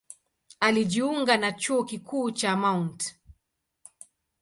Alijiunga na Chuo Kikuu cha Mt.